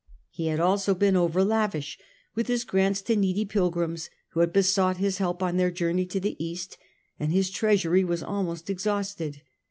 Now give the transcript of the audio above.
He had also been over lavish with his grants to needy pilgrims who had besought his help on their journey to the East, and his treasury was almost exhausted.